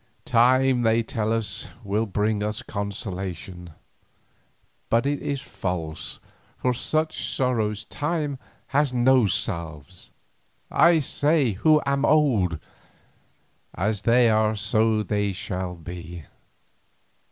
Time, they tell us, will bring consolation, but it is false, for such sorrows time has no salves—I say it who am old—as they are so they shall be.